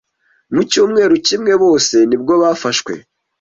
mu cyumweru kimwe bose nibwo bafashwe